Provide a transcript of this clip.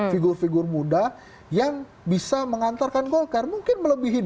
figur figur muda yang bisa mengantarkan golkar mungkin melebihi dua ribu dua puluh empat